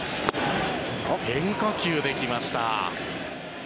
変化球で来ました。